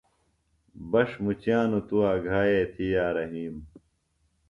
بݜ مچِیانوۡ توۡ آگھائے تھی یا رحیم۔